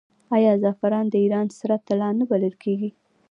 آیا زعفران د ایران سره طلا نه بلل کیږي؟